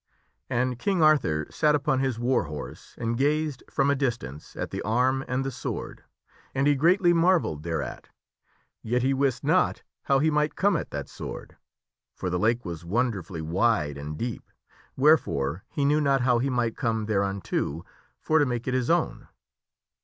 And King Arthur sat upon his war horse and gazed from a distance at the arm and the sword, and he greatly marvelled thereat; yet he wist not how he might come at that sword, for the lake was wonderfully wide and deep, wherefore he knew not how he might come thereunto for to make it his own.